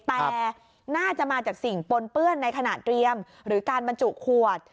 แต่น่าจะมาจากสิ่งปนเปื้อนในขณะเตรียมหรือการบรรจุขวด